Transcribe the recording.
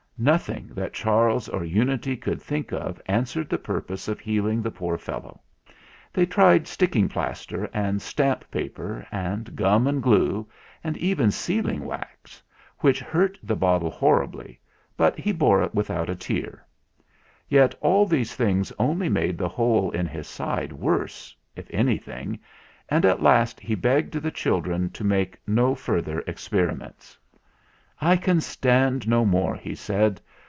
Nothing that Charles or Unity could think of answered the purpose of healing the THE RECOVERY OF MR. JAGO 179 poor fellow. They tried sticking plaster, and stamp paper, and gum and glue, and even seal ing wax, which hurt the bottle horribly, but he bore it without a tear. Yet all these things only made the hole in his side worse, if any thing, and at last he begged the children to make no further experiments. "I can stand no more," he said.